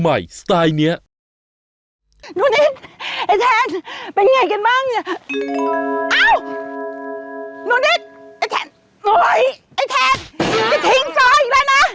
ไอ้แทนโอ๊ยไอ้แทนจะทิ้งเสื้ออีกและนะ